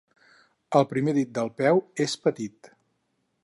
El primer dit del peu és petit.